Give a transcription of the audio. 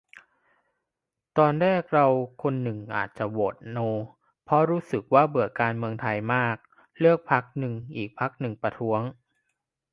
ตอนแรกเราคนนึงอะจะโหวตโน เพราะรู้สึกว่าเบื่อการเมืองไทยมากเลือกพรรคนึง อีกพรรคนึงประท้วง